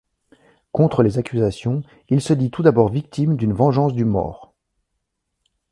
Contre les accusations, il se dit tout d'abord victime d'une vengeance du Maure.